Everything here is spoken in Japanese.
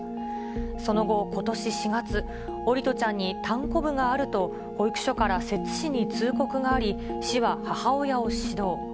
その後、ことし４月、桜利斗ちゃんにたんこぶがあると、保育所から摂津市に通告があり、市は母親を指導。